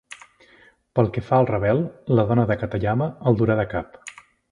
Pel que fa al Ravel, la dona de Katayama el durà de cap.